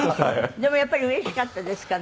でもやっぱりうれしかったですかね？